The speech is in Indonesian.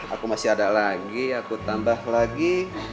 aku masih ada lagi aku tambah lagi